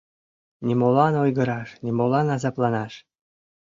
Нимолан ойгыраш, нимолан азапланаш.